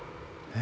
え？